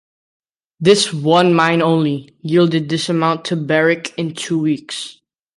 This one mine only, yielded this amount to Barrick in two weeks.